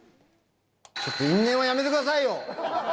ちょっと因縁はやめてくださいよ。